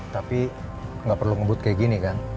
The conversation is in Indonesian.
tapi nggak perlu ngebut kayak gini kan